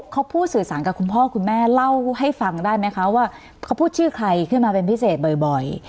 เขาพูดสื่อสารกับคุณพ่อคุณแม่เล่าให้ฟังได้ไหมคะว่าเขาพูดชื่อใครขึ้นมาเป็นพิเศษบ่อย